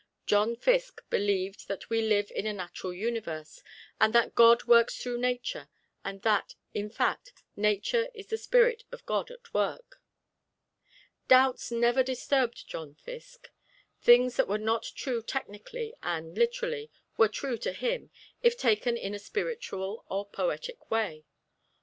John Fiske believed that we live in a natural universe, and that God works through Nature, and that, in fact, Nature is the spirit of God at work. Doubts never disturbed John Fiske. Things that were not true technically and literally were true to him if taken in a spiritual or poetic way.